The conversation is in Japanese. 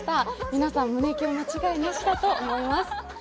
皆さん胸キュン間違いなしだと思います。